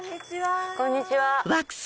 こんにちは。